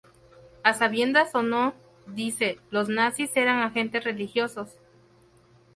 A sabiendas o no, dice, "los nazis eran agentes religiosos".